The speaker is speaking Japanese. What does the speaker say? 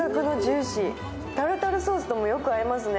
タルタルソースともよく合いますね。